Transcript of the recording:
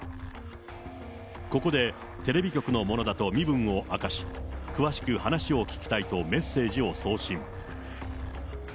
ここでテレビ局の者だと身分を明かし、詳しく話を聞きたいとメッセージを送信。